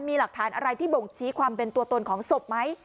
มีหลักฐานอะไรที่บ่งชี้ความเป็นตัวตนของศพไหม